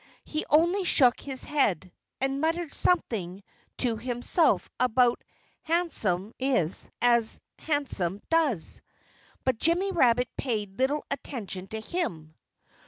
He only shook his head, and muttered something to himself about "handsome is as handsome does." But Jimmy Rabbit paid little attention to him.